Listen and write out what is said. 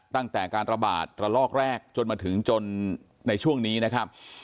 ตั้งแต่การระบาดระลอกแรกจนมาถึงจนในช่วงนี้นะครับ